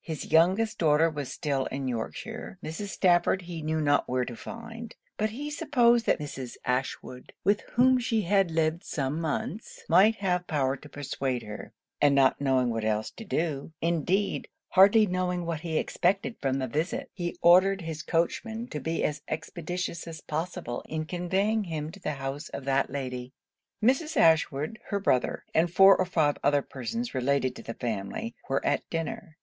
His youngest daughter was still in Yorkshire; Mrs. Stafford he knew not where to find; but he supposed that Mrs. Ashwood, with whom she had lived some months, might have power to persuade her; and not knowing what else to do, indeed hardly knowing what he expected from the visit, he ordered his coachman to be as expeditious as possible in conveying him to the house of that lady. Mrs. Ashwood, her brother, and four or five other persons related to the family, were at dinner.